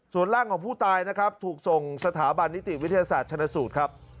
ส่วนร่างของผู้ตายนะครับถูกส่งสถาบันนิติวิทยาศาสตร์ชนสูตรครับ